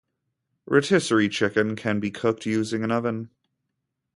Rotisserie chicken can be cooked using an oven